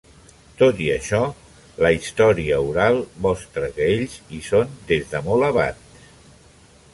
Tot i això, la història oral mostra que ells hi són des de molt abans.